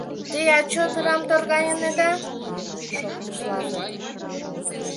— Теат чодырам торгайынеда? — шоктыш Лазыр.